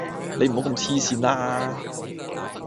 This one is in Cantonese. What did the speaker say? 你唔好咁痴線啦